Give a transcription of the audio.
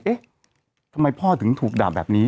เอ๊ะทำไมพ่อถึงถูกด่าแบบนี้